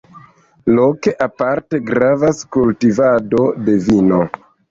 Loke aparte gravas kultivado de vino.